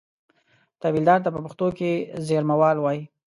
تحویلدار ته په پښتو کې زېرمهوال وایي.